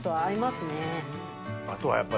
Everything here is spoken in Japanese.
あとはやっぱり。